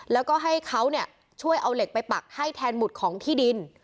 แล้วก็ให้เขาช่วยเอาเหล็กไปปักให้แทนหุดของที่ดิน